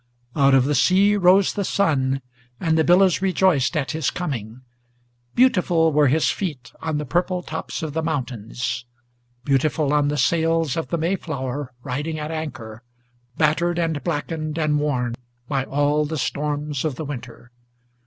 Out of the sea rose the sun, and the billows rejoiced at his coming; Beautiful were his feet on the purple tops of the mountains; Beautiful on the sails of the Mayflower riding at anchor, Battered and blackened and worn by all the storms of the winter.